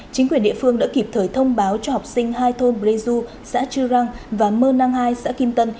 chính quyền địa phương đã kịp thời thông báo cho học sinh hai thôn preju xã chư răng và mơ năng hai xã kim tân